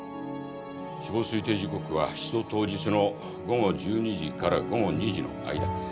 死亡推定時刻は失踪当日の午後１２時から午後２時の間。